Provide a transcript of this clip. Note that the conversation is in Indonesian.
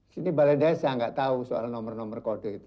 sini balai desa nggak tahu soal nomor nomor kode itu